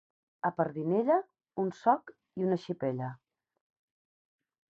A Pardinella, un soc i una xipella.